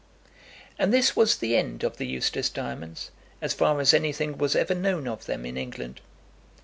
And this was the end of the Eustace diamonds as far as anything was ever known of them in England.